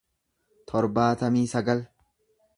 torbaatamii sagal